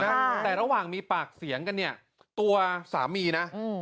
แต่ระหว่างมีปากเสียงกันเนี่ยตัวสามีนะอืม